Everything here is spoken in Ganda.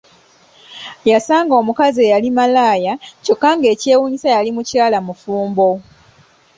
Yasanga omukazi eyali malaaya kyokka ng'ekyewuunyisa yali mukyala mufumbo!